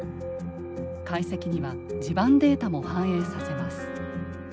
解析には地盤データも反映させます。